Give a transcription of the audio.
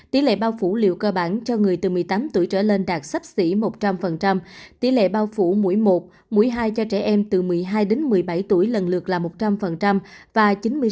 tỷ lệ bao phủ liệu cơ bản cho người từ một mươi tám tuổi trở lên đạt sắp xỉ một trăm linh tỷ lệ bao phủ mũi một mũi hai cho trẻ em từ một mươi hai đến một mươi bảy tuổi lần lượt là một trăm linh và chín mươi sáu